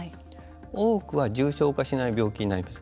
多くは重症化しない病気になります。